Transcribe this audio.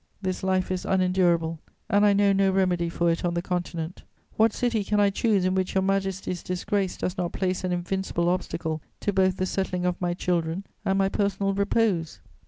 This life is unendurable, and I know no remedy for it on the Continent. What city can I choose in which Your Majesty's disgrace does not place an invincible obstacle to both the settling of my children and my personal repose?